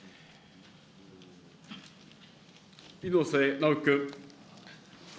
猪瀬直樹君。